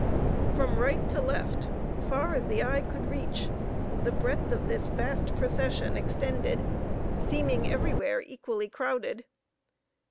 From right to left, far as the eye could reach, the breadth of this vast procession extended, seeming everywhere equally crowded.